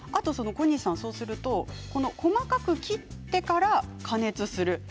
そうすると細かく切ってから加熱する。